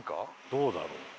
どうだろう？